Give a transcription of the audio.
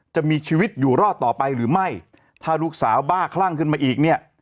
จะมีชีวิตอยู่รอดต่อไปหรือไม่ถ้าลูกสาวบ้าคลั่งขึ้นมาอีกเนี่ย